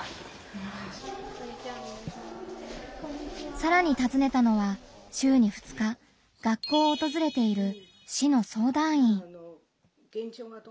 さらにたずねたのは週に２日学校をおとずれている市の相談員。